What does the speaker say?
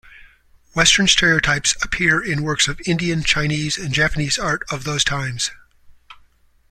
Western stereotypes appear in works of Indian, Chinese and Japanese art of those times.